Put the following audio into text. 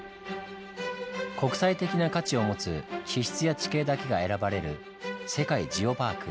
国際的な価値を持つ地質や地形だけが選ばれる「世界ジオパーク」。